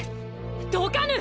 どかぬ！